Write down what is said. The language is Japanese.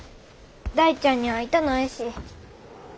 大ちゃんに会いたないし。